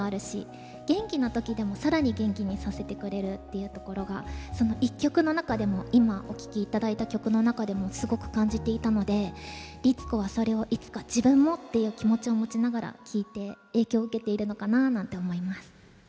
いうところがその１曲の中でも今お聴き頂いた曲の中でもすごく感じていたので律子はそれをいつか自分もっていう気持ちを持ちながら聴いて影響を受けているのかなあなんて思います。